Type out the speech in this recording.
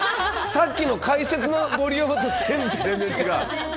さっきの解説のボリュームと全然違う。